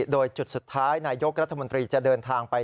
โดยจุดสุดท้ายนายกรัฐมนตรีจะเดินทางไป